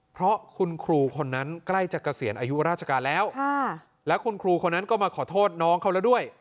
เพราะคุณครูคนนั้นใกล้จะเกษียณอายุราชการแล้วแล้วคุณครูคนนั้นก็มาขอโทษน้องเขาแล้วด้วย